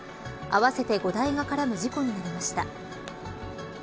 合わせて５台が絡む事故になりました。